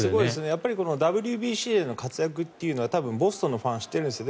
ＷＢＣでの活躍はボストンのファンは知ってるんですよ。